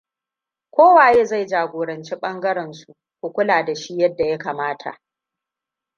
Ko waye zai jagoranci ɓangaren su, ku kula da shi yadda ya kamata.